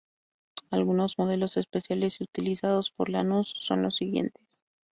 Algunos modelos especiales utilizados por Lanús son los siguientes.